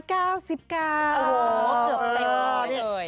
โอ้โฮเสียบเลย